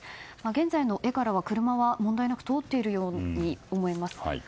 現在の画からは車は問題なく通っているように見えます。